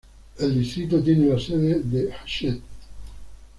El distrito tiene la sede de Hachette.